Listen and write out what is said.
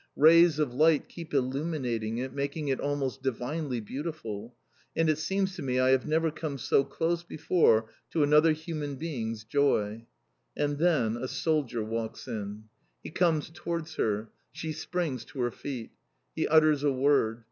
Rays of light keep illuminating it, making it almost divinely beautiful, and it seems to me I have never come so close before to another human being's joy. And then a soldier walks in. He comes towards her. She springs to her feet. He utters a word.